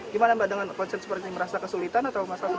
gimana mbak dengan konsep seperti ini merasa kesulitan atau masyarakat